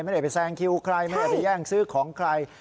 ไม่ได้ไปแซงคิวใครไม่ได้ไปแย่งซื้อของใคร